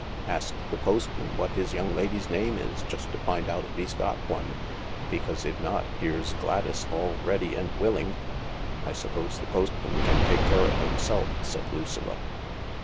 Asks the postman what his young lady's name is, just to find out if he's got one, because, if not, here's Gladys all ready and willing." " I suppose the postman can take care of himself," said Lucilla.